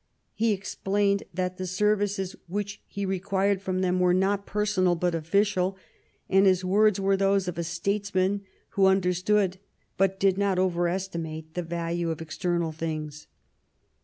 He explained that the services which he required from them were not personal but official, and his words were those of a statesman who understood, but did not over estimate, the value of external things.